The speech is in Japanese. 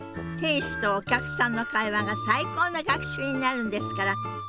店主とお客さんの会話が最高の学習になるんですから。